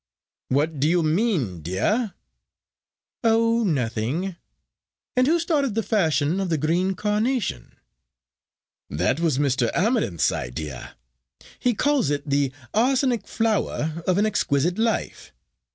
"What do you mean, dear?" "Oh! nothing. And who started the fashion of the green carnation?" "That was Mr. Amarinth's idea. He calls it the arsenic flower of an exquisite life.